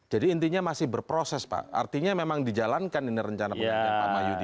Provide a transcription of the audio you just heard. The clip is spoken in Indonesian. jadi intinya masih berproses pak artinya memang dijalankan ini rencana rencana pak mahyudin